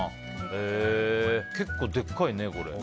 結構でかいね、これ。